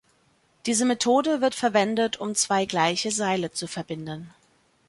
Diese Methode wird verwendet, um zwei gleiche Seile zu verbinden.